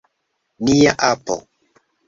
Nia apo!